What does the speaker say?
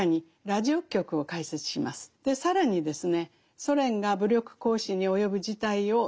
で更にですね